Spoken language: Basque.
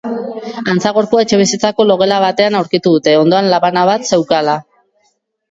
Antza, gorpua etxebizitzako logela batean aurkitu dute, ondoan labana bat zeukala.